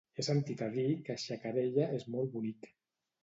He sentit a dir que Xacarella és molt bonic.